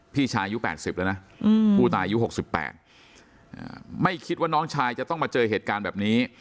พี่ชายอายุ๘๐แล้วนะผู้ตายอายุ๖๘ไม่คิดว่าน้องชายจะต้องมาเจอเหตุการณ์แบบนี้